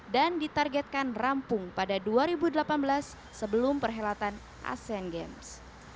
dan ditargetkan rampung pada dua ribu delapan belas sebelum perhelatan asean games